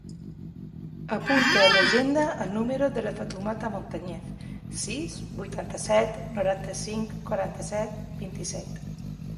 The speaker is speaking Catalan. Apunta a l'agenda el número de la Fatoumata Montañez: sis, vuitanta-set, noranta-cinc, quaranta-set, vint-i-set.